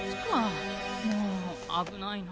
もうあぶないな。